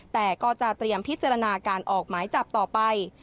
แต่ก็จะเตรียมพิจารณาการออกหมายจับต่อไป